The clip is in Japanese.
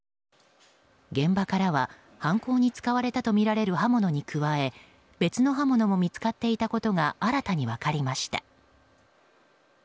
現場からは犯行に使われたとみられる刃物に加え別の刃物も見つかっていたことが新たに分かりました。